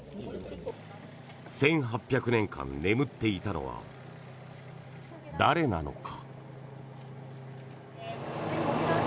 １８００年間眠っていたのは誰なのか。